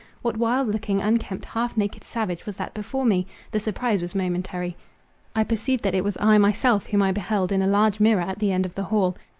What wild looking, unkempt, half naked savage was that before me? The surprise was momentary. I perceived that it was I myself whom I beheld in a large mirror at the end of the hall.